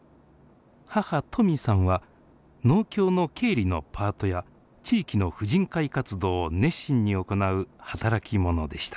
母トミさんは農協の経理のパートや地域の婦人会活動を熱心に行う働き者でした。